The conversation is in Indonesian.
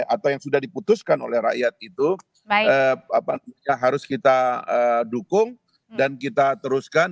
atau yang sudah diputuskan oleh rakyat itu harus kita dukung dan kita teruskan